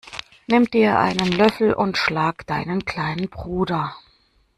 Nimm dir einen Löffel und schlag deinen kleinen Bruder!